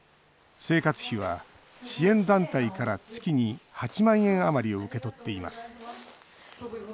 生活費は支援団体から月に８万円余りを受け取っています。